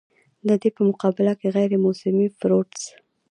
د دې پۀ مقابله کښې غېر موسمي فروټس